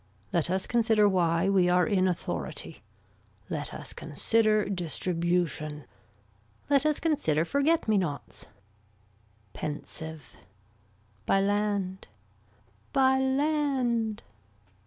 Let us consider why we are in authority, let us consider distribution, let us consider forget me nots. Pensive. By land. By land.